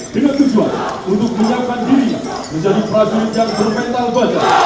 dengan tujuan untuk menyiapkan diri menjadi prajurit yang bermental badak